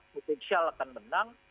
potensial akan menang